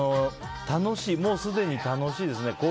楽しいもうすでに楽しいですね。